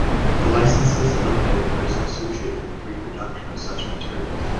The licenses eliminate the risk associated with the reproduction of such materials.